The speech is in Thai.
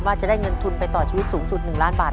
เพราะฉะนั้นช่วงหน้ามาเอาใจช่วยและลุ้นไปพร้อมกันนะครับ